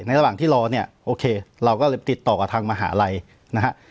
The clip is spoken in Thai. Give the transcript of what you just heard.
ระหว่างที่รอเนี่ยโอเคเราก็เลยติดต่อกับทางมหาลัยนะฮะ